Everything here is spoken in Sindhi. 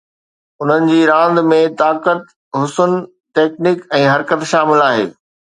انهن جي راند ۾ طاقت، حسن، ٽيڪنڪ ۽ حرڪت شامل آهي